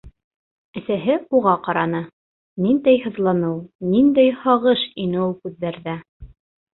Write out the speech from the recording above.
Әсәһе уға ҡараны, ниндәй һыҙланыу, ниндәй һағыш ине ул күҙҙәрҙә.